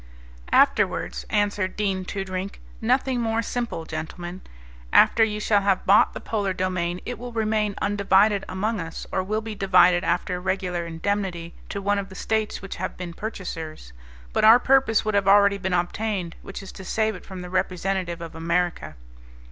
"Afterwards," answered Dean Toodrink, "nothing more simple, gentlemen. After you shall have bought the polar domain it will remain undivided among us or will be divided after a regular indemnity to one of the States which have been purchasers. But our purpose would have already been obtained, which is to save it from the representative of America."